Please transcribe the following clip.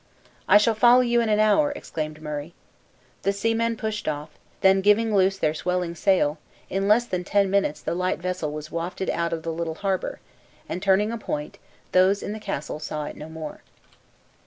"I shall follow you in a hour," exclaimed Murray. The seamen pushed off; then giving loose to their swelling sail, in less than ten minutes, the light vessel was wafted out of the little harbor, and turning a point, those in the castle saw it no more.